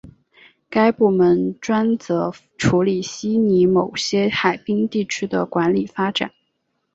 该部门专责处理悉尼某些海滨地区的管理发展。